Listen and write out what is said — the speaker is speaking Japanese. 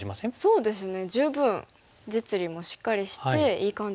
そうですよね。